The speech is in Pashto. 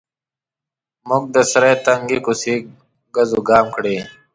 مو د سرای تنګې کوڅې ګزوګام کړې.